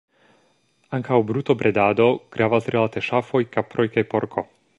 Ankaŭ brutobredado gravas rilate ŝafoj, kaproj kaj porko.